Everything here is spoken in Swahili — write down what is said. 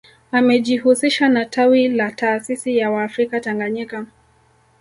Amejihusisha na tawi la taasisi ya waafrika Tanganyika